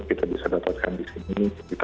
kita bisa dapatkan di sini